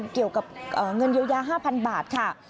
เกี่ยวกับเงินเยียวยา๕๐๐๐บาทค่ะ